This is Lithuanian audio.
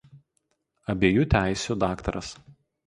Abiejų teisių daktaras.